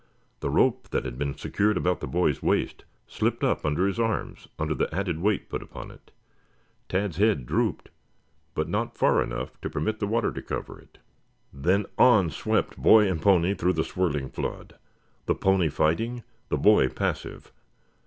The rope that had been secured about the boy's waist slipped up under his arms under the added weight put upon it. Tad's head drooped, but not far enough to permit the water to cover it. Then on swept boy and pony through the swirling flood, the pony fighting, the boy passive.